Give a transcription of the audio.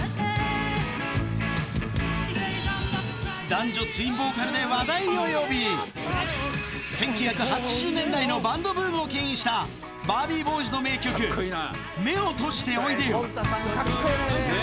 男女ツインボーカルで話題を呼び、１９８０年代のバンドブームをけん引した、ＢＡＲＢＥＥＢＯＹＳの名曲、目を閉じておいでよ。